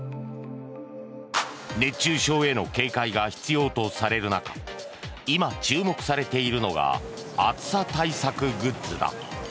熱中症への警戒が必要とされる中今、注目されているのが暑さ対策グッズだ。